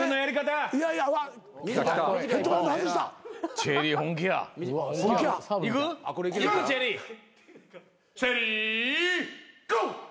チェリーゴー！